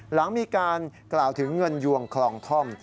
หลังมีการกล่าวถึงเงินยวงคลองท่อม